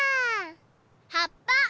はっぱ！